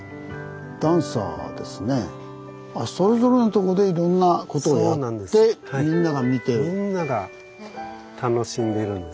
あっそれぞれのとこでいろんなことをやってみんなが見てる。